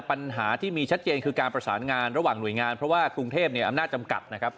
ปัญหาที่มีชัดเจนคือการประสานงานระหว่างหน่วยงานเพราะว่ากรุงเทพเนี่ยอำนาจจำกัดนะครับ